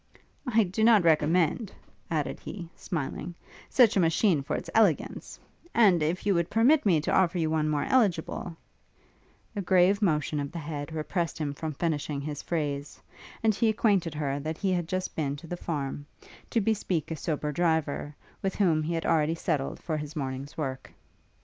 'I do not recommend,' added he, smiling, 'such a machine for its elegance; and, if you would permit me to offer you one more eligible ' A grave motion of the head repressed him from finishing his phrase, and he acquainted her that he had just been to the farm, to bespeak a sober driver, with whom he had already settled for his morning's work.